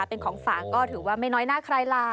เป็นของฝากก็ถือว่าไม่น้อยหน้าใครล่ะ